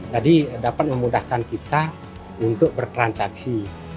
jadi dapat memudahkan kita untuk bertransaksi